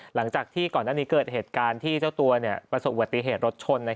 หลังจากที่ก่อนหน้านี้เกิดเหตุการณ์ที่เจ้าตัวประสบอุบัติเหตุรถชน